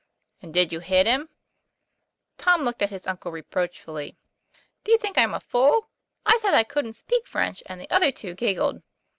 ' "And did you hit him ?" Tom looked at his uncle reproachfully. * Do you think I'm a fool ? I said that I couldn't speak French, and the other two giggled.